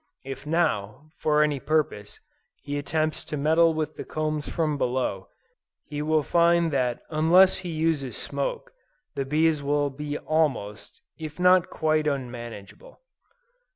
If now, for any purpose, he attempts to meddle with the combs from below, he will find that unless he uses smoke, the bees will be almost, if not quite unmanageable.